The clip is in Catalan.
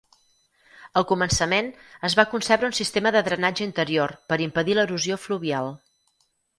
Al començament, es va concebre un sistema de drenatge interior per impedir l'erosió fluvial.